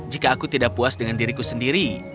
jika aku tidak puas dengan diriku sendiri